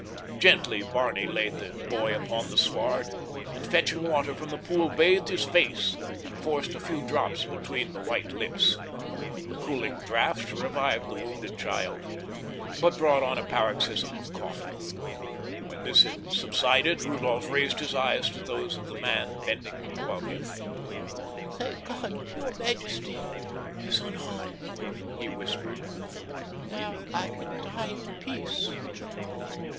Gently Barney laid the boy upon the sward, and fetching water from the pool bathed his face and forced a few drops between the white lips. The cooling draft revived the wounded child, but brought on a paroxysm of coughing. When this had subsided Rudolph raised his eyes to those of the man bending above him. "Thank God, your majesty is unharmed," he whispered. "Now I can die in peace."